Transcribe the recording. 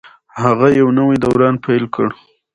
هغه یو نوی دوران پیل کړ.